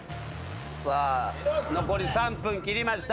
さあ残り３分切りました。